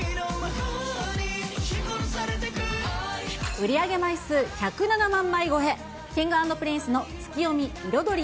売り上げ枚数１０７万枚超え、Ｋｉｎｇ＆Ｐｒｉｎｃｅのツキヨミ／彩り。